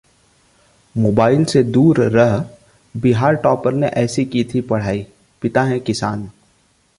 mobile से दूर रह बिहार टॉपर ने ऐसे की थी पढ़ाई, पिता हैं किसान